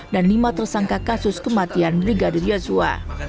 dan lima tersangka kasus kematian brigadir joshua